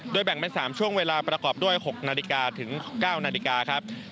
แบ่งเป็น๓ช่วงเวลาประกอบด้วย๖นาฬิกาถึง๙นาฬิกาครับ